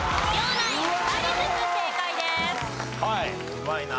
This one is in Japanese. うまいな。